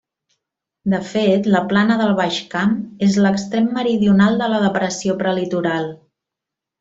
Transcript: De fet, la plana del Baix Camp és l'extrem meridional de la Depressió Prelitoral.